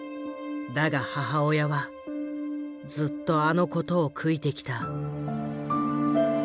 だが母親はずっとあのことを悔いてきた。